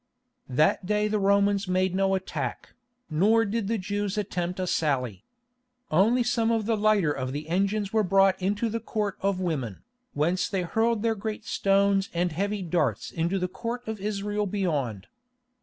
That day the Romans made no attack, nor did the Jews attempt a sally. Only some of the lighter of the engines were brought into the Court of Women, whence they hurled their great stones and heavy darts into the Court of Israel beyond.